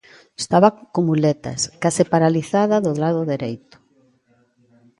Estaba con muletas, case paralizada do lado dereito.